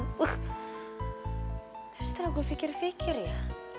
terus setelah gue pikir pikir ya